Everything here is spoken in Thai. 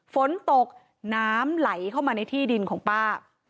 ฝนตกน้ำไหลเข้ามาในที่ดินของป้า